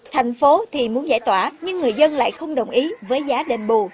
thành phố thì muốn giải tỏa nhưng người dân lại không đồng ý với giá đền bù